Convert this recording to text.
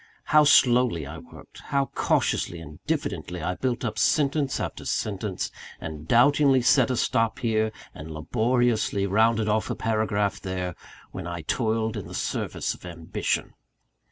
How slowly I worked; how cautiously and diffidently I built up sentence after sentence, and doubtingly set a stop here, and laboriously rounded off a paragraph there, when I toiled in the service of ambition!